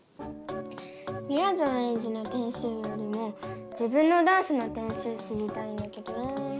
みやぞんエンジの点数よりも自分のダンスの点数知りたいんだけどな。